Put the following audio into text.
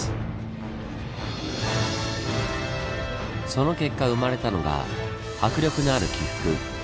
その結果生まれたのが迫力のある起伏。